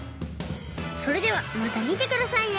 それではまたみてくださいね。